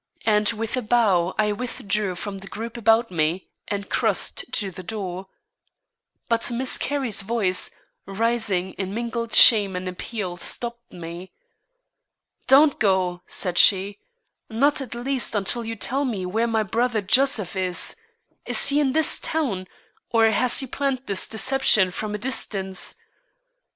And with a bow I withdrew from the group about me and crossed to the door. But Miss Carrie's voice, rising in mingled shame and appeal, stopped me. "Don't go," said she; "not at least until you tell me where my brother Joseph is. Is he in this town, or has he planned this deception from a distance?